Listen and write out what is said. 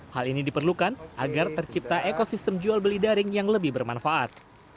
hal ini diperlukan agar tercipta ekosistem jual beli daring yang lebih bermanfaat